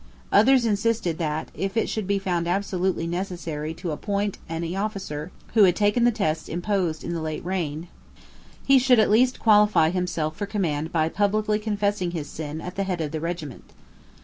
Others insisted that, if it should be found absolutely necessary to appoint any officer who had taken the tests imposed in the late reign, he should at least qualify himself for command by publicly confessing his sin at the head of the regiment.